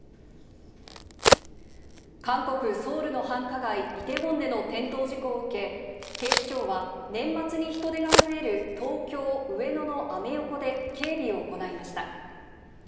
韓国・ソウルの繁華街、イテウォンでの転倒事故を受け、警視庁は、年末に人出が増える東京・上野のアメ横で警備を行いました。